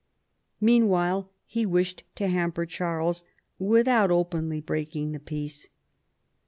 Meanwhile he wished to hamper Charles without openly breaking the peace.